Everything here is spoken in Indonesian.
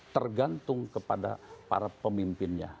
tergantung kepada para pemimpinnya